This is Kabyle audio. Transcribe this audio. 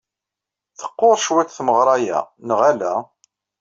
Teqqur cwiṭ tmeɣra-a, neɣ ala?